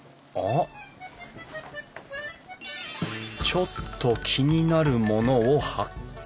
ちょっと気になるものを発見